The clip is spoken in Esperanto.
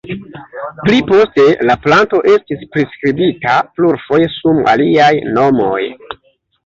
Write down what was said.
Pli poste la planto estis priskribita plurfoje sum aliaj nomoj.